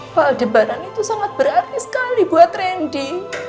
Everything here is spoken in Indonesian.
pak aldebaran itu sangat berarti sekali buat randy